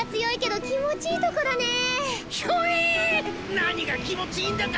何が気持ちいいんだか！